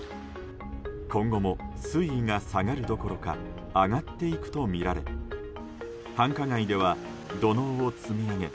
今後も水位が下がるどころか上がっていくとみられ繁華街では土のうを積み上げ